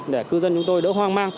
để cư dân chúng tôi đỡ hoang mang